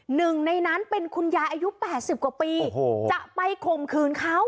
หนึ่งในนั้นเป็นคุณยายอายุ๘๐กว่าปีจะไปข่มขืนเขา